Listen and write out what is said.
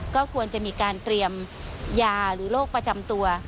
ก็ควรจะมีการเตรียมยาหรือโรคประจำตัว